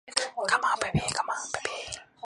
盘固草为禾本科马唐属下的一个种。